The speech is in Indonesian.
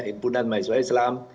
impunan mahiswa islam